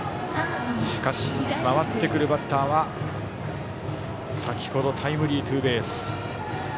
しかし回ってくるバッターは先ほどタイムリーツーベース。